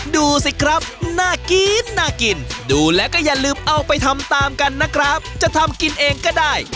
ดูสิครับน่ากินน่ากินดูแล้วก็อย่าลืมเอาไปทำตามกันนะครับจะทำกินเองก็ได้